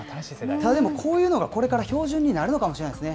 でもこういうのがこれから標準になるのかもしれないですね。